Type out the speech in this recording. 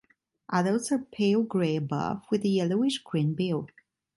Adults are pale grey above, with a yellowish-green bill.